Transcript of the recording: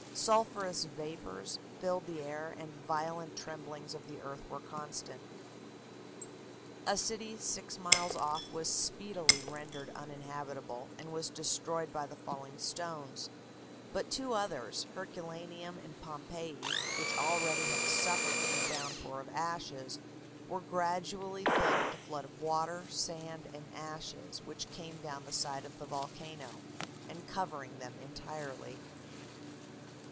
Sulphurous vapors filled the air and violent tremblings of the earth were constant. A city six miles off was speedily rendered uninhabitable, and was destroyed by the falling stones; but two others Herculaneum and Pompeii which already had suffered from the down pour of ashes, were gradually filled with a flood of water, sand, and ashes, which came down the side of the volcano, and covering them entirely.